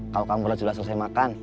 kalau kamu sudah selesai makan